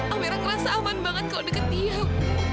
amirah ngerasa aman banget kalau deket dia ibu